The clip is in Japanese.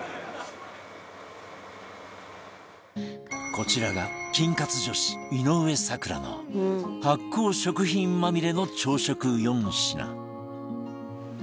こちらが菌活女子井上咲楽の発酵食品まみれの朝食４品